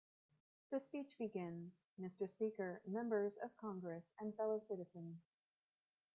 The speech begins: Mr. Speaker, members of Congress and fellow citizens.